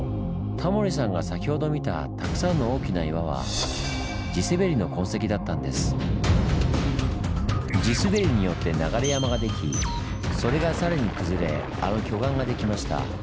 タモリさんが先ほど見たたくさんの大きな岩は地すべりによって流れ山ができそれがさらに崩れあの巨岩ができました。